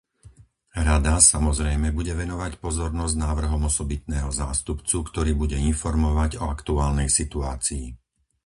Rada, samozrejme, bude venovať pozornosť návrhom osobitného zástupcu, ktorý bude informovať o aktuálnej situácii.